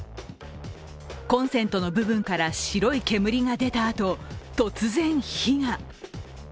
コンセントの部分から白い煙が出たあと、突然、火が。